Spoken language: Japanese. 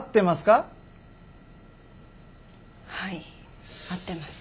はい合ってます。